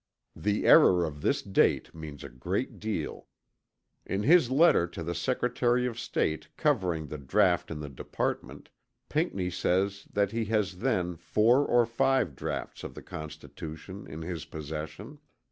The error of this date means a great deal. In his letter to the Secretary of State covering the draught in the Department, Pinckney says that he has then four or five draughts of the Constitution in his possession.